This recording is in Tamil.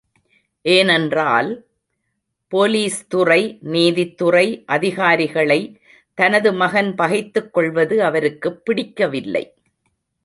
ஏனென்றால், போலீஸ்துறை, நீதித்துறை அதிகாரிகளை தனது மகன் பகைத்துக் கொள்வது அவருக்குப் பிடிக்கவில்லை.